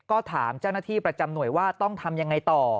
ก็ถามเจ้าหน้าที่ประจำหน่วยว่าต้องทำยังไงต่อ